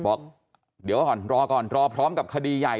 บอกเดี๋ยวก่อนรอก่อนรอพร้อมกับคดีใหญ่